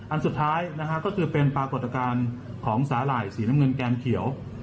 อันสุดท้ายนะฮะก็คือเป็นปรากฏการณ์ของสาหร่ายสีน้ำเงินแก้มเขียว